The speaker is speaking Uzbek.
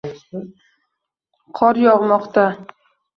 Qor yog'moqda